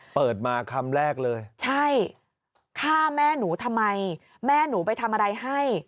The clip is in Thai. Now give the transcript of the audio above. เปิดมาคำแรกเลยใช่ฆ่าแม่หนูทำไมแม่หนูไปทำอะไรให้